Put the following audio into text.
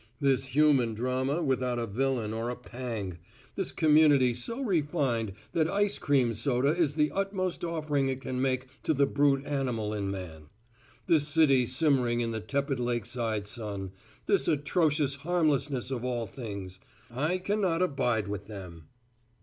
This human drama without a villain or a pang; this community so refined that ice cream soda is the utmost offering it can make to the brute animal in man; this city simmering in the tepid lakeside sun; this atrocious harmlessness of all things I cannot abide with them."